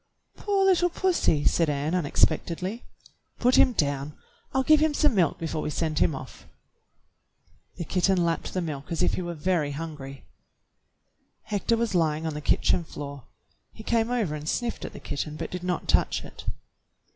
"Poor httle pussy," said Ann unexpectedly. "Put him down. I'll give him some milk before we send him off." The kitten lapped the milk as if he were very hungry. 28 THE BLUE AUNT Hector was lying on the kitchen floor. He came over and sniffed at the kitten, but did not touch it.